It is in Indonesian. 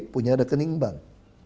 punya rekening bank